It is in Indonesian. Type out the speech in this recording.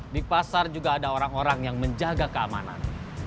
di pasar juga ada orang orang yang menjaga keamanan